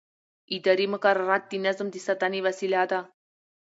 اداري مقررات د نظم د ساتنې وسیله ده.